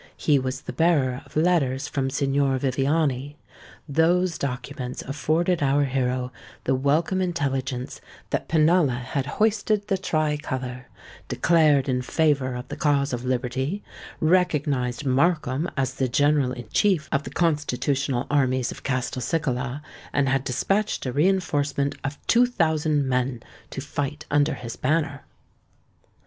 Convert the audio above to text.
He was the bearer of letters from Signor Viviani. Those documents afforded our hero the welcome intelligence that Pinalla had hoisted the tri colour, declared in favour of the cause of liberty, recognised Markham as the General in Chief of the Constitutional Armies of Castelcicala, and had despatched a reinforcement of two thousand men to fight under his banner.